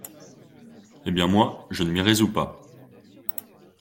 Eh bien moi, je ne m’y résous pas.